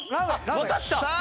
わかった！